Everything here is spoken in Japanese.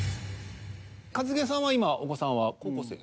一茂さんは今お子さんは高校生？